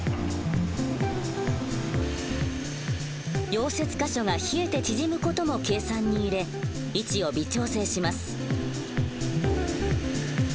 溶接か所が冷えて縮む事も計算に入れ位置を微調整します。